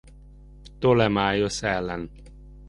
Ptolemaiosz ellen.